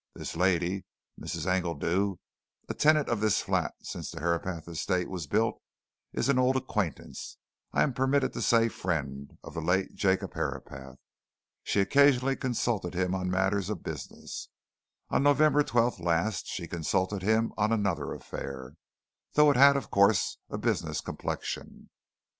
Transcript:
This lady, Mrs. Engledew, a tenant of this flat since the Herapath Estate was built, is an old acquaintance I am permitted to say, friend of the late Jacob Herapath. She occasionally consulted him on matters of business. On November 12th last she consulted him on another affair though it had, of course, a business complexion.